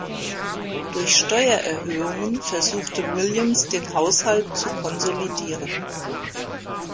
Durch Steuererhöhungen versuchte Williams den Haushalt zu konsolidieren.